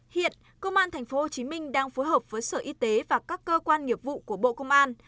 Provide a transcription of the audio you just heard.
hiện công an tp hcm đang phối hợp với sở y tế và các cơ quan nghiệp vụ của bộ công an